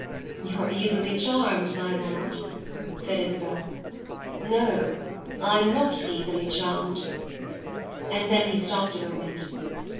"You're easily charmed, my lord," said Isabel. "No, I'm not easily charmed!" And then he stopped a moment.